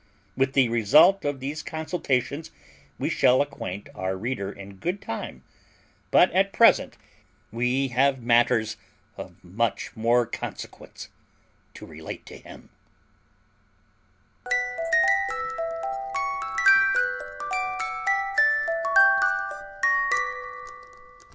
With the result of these consultations we shall acquaint our reader in good time, but at present we have matters of much more consequence to relate to him.